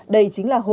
đây chính là hộp